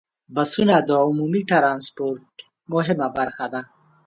بسونه د عمومي ټرانسپورت مهمه برخه ده.